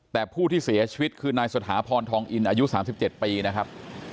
แต่ผู้ที่เสียชีวิตคือนายสถาพรทองอินอายุ๓๗ปีนะครับ